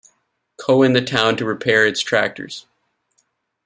Co in the town to repair its tractors.